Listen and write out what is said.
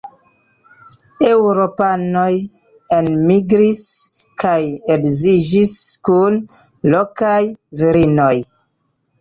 Eŭropanoj enmigris kaj edziĝis kun lokaj virinoj.